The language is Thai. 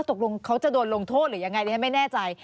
ตกลงเขาจะโดนลงโทษหรือยังไงดิฉันไม่แน่ใจ